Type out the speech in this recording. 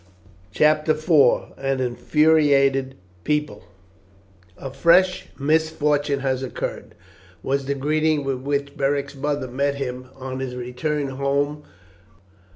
CHAPTER IV: AN INFURIATED PEOPLE "A fresh misfortune has occurred," was the greeting with which Beric's mother met him on his return home.